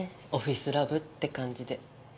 オフィスラブって感じで。